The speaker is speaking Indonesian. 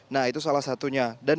nah itu salah satunya